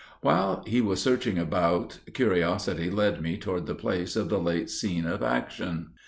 While he was searching about, curiosity led me toward the place of the late scene of action.